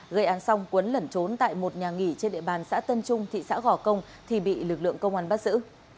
gây án xong quấn lẩn trốn tại một nhà nghỉ trên địa bàn xã tân trung thị xã gò công thì bị lực lượng công an bắt giữ